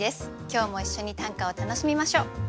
今日も一緒に短歌を楽しみましょう。